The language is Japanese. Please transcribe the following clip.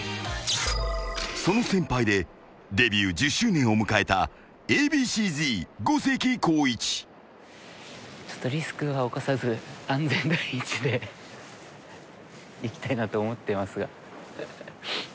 ［その先輩でデビュー１０周年を迎えたＡ．Ｂ．Ｃ−Ｚ五関晃一］いきたいなと思ってますが。